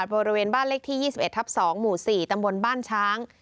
บริเวณบ้านเลขที่ยี่สิบเอ็ดทับสองหมู่สี่ตำบลบ้านช้าง